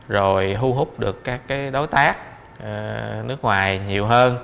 rồi thu hút được các đối tác nước ngoài nhiều hơn